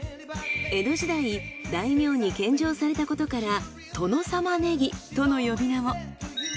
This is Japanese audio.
江戸時代大名に献上されたことから殿様ねぎとの呼び名も。